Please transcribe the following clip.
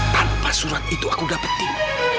tanpa surat itu aku dapetin